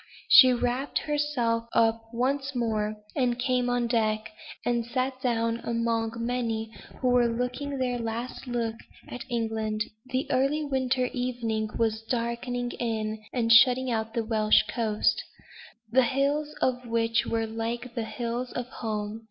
She wrapped herself up once more, and came on deck, and sat down among the many who were looking their last look at England. The early winter evening was darkening in, and shutting out the Welsh coast, the hills of which were like the hills of home.